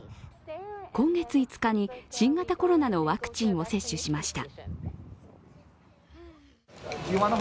今月５日に、新型コロナのワクチンを接種しました。